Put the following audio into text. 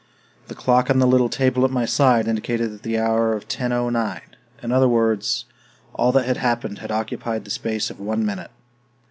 The clock on the little table at my side indicated the hour of 10:09 in other words, all that had happened had occupied the space of one minute!